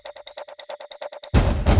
bagaimana duap bel lesa ya kan